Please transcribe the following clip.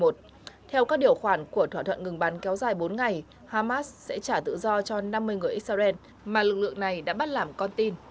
theo các điều khoản của thỏa thuận ngừng bắn kéo dài bốn ngày hamas sẽ trả tự do cho năm mươi người israel mà lực lượng này đã bắt làm con tin